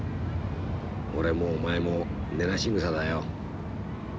俺もお前も根なし草だよ。